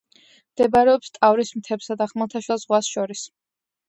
მდებარეობს ტავრის მთებსა და ხმელთაშუა ზღვას შორის.